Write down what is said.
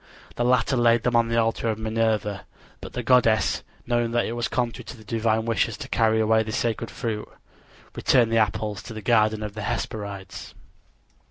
The latter laid them on the altar of Minerva; but the goddess, knowing that it was contrary to the divine wishes to carry away this sacred fruit, returned the apples to the garden of the Hesperides.